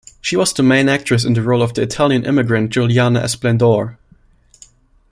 She was the main actress in the role of the Italian immigrant Giuliana Esplendore.